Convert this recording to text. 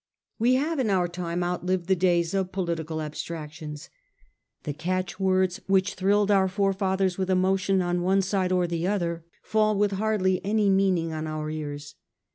We have in our time outlived the days of political abstractions. The catch words which thrilled our forefathers with emotion on one side or the other fall with hardly any meaning on our ears.